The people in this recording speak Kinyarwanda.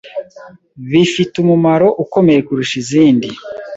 biifite umumaro ukomeye kurusha izindi,